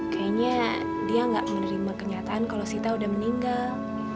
kayaknya dia nggak menerima kenyataan kalau sita udah meninggal